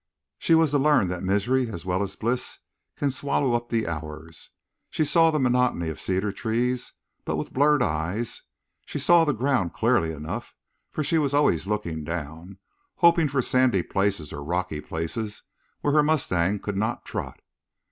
She was to learn that misery, as well as bliss, can swallow up the hours. She saw the monotony of cedar trees, but with blurred eyes; she saw the ground clearly enough, for she was always looking down, hoping for sandy places or rocky places where her mustang could not trot.